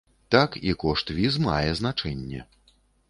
Так, і кошт віз мае значэнне.